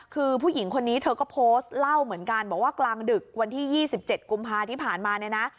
คือผู้หญิงคนนี้เธอก็โพสต์เล่าเหมือนกันบอกว่ากลางดึกวันที่๒๗กุมภาที่ผ่านมาเนี่ยนะ